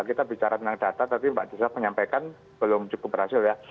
kita bicara tentang data tadi mbak desaf menyampaikan belum cukup berhasil ya